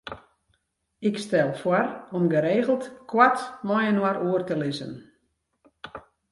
Ik stel foar om geregeld koart mei-inoar oer te lizzen.